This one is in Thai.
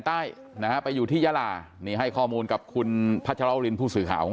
ใต้นะฮะไปอยู่ที่ยาลานี่ให้ข้อมูลกับคุณพัชรวรินผู้สื่อข่าวของ